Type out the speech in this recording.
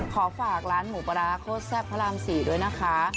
ขอฝากร้านหมูปลาร้าโคตรแซ่บพระราม๔ด้วยนะคะ